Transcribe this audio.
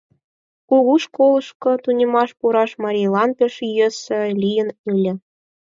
Кугу школышко тунемаш пураш марийлан пеш йӧсӧ лийын ыле.